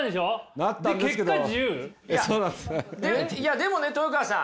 でもね豊川さん